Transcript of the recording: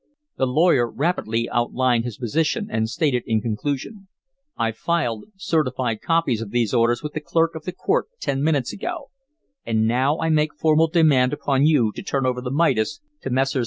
The lawyer rapidly outlined his position and stated in conclusion: "I filed certified copies of these orders with the clerk of the court ten minutes ago, and now I make formal demand upon you to turn over the Midas to Messrs.